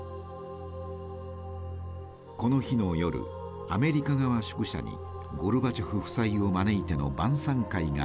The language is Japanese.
この日の夜アメリカ側宿舎にゴルバチョフ夫妻を招いての晩餐会が開かれました。